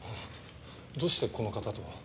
どうしてこの方と？